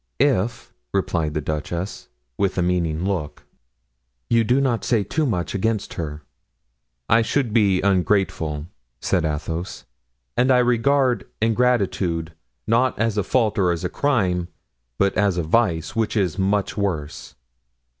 "If," replied the duchess, with a meaning look, "you do not say too much against her." "I should be ungrateful," said Athos, "and I regard ingratitude, not as a fault or a crime, but as a vice, which is much worse."